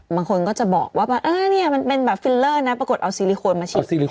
บางคนก็จะบอกว่าเออเนี่ยมันเป็นแบบฟิลเลอร์นะปรากฏเอาซิลิโคนมาฉีดลิโ